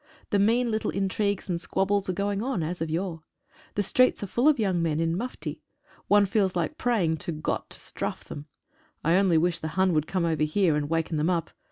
The mean little intrigues and squabbles are going on as of yore. The streets are full of young men in mufti. One feels like praying for "Gott to strafe" them. I only wish the Hun could come over here and waken them up.